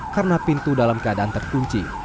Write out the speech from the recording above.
karena pintu dalam keadaan terkunci